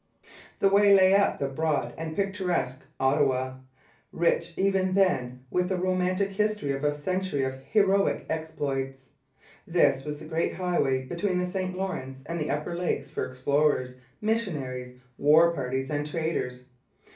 The way lay up the broad and picturesque Ottawa, rich even then with the romantic history of a century of heroic exploits. This was the great highway between the St Lawrence and the Upper Lakes for explorers, missionaries, war parties, and traders.